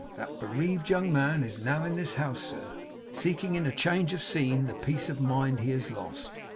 That bereaved young man is now in this house, sir, seeking in change of scene the peace of mind he has lost.